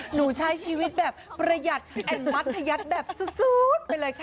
หนูใช้ชีวิตแบบประหยัดแอนดมัธยัติแบบสุดไปเลยค่ะ